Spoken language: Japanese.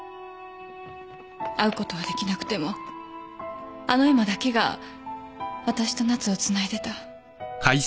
会うことはできなくてもあの絵馬だけがわたしと奈津をつないでた。